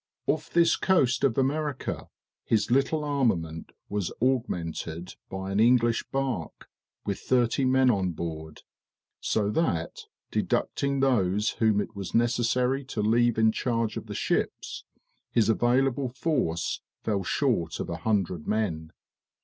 Off this coast of America his little armament was augmented by an English bark, with thirty men on board; so that, deducting those whom it was necessary to leave in charge of the ships, his available force fell short of a hundred men.